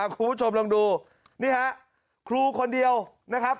คุณผู้ชมลองดูนี่ฮะครูคนเดียวนะครับ